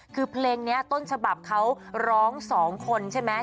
คือเพลงนี้ต้นฉบับเขาร้อง๒คนใช่ไหม